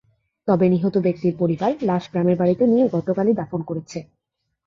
তবে নিহত ব্যক্তির পরিবার লাশ গ্রামের বাড়িতে নিয়ে গতকালই দাফন করেছে।